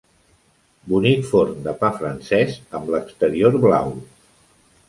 Bonic forn de pa francès amb l'exterior blau.